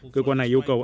cơ quan này yêu cầu